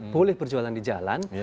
boleh berjualan di jalan